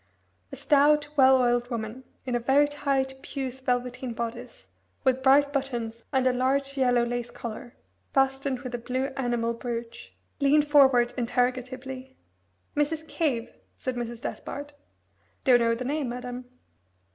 A stout well oiled woman, in a very tight puce velveteen bodice with bright buttons and a large yellow lace collar, fastened with a blue enamel brooch, leaned forward interrogatively. "Mrs. Cave?" said Mrs. Despard. "Don't know the name, madam."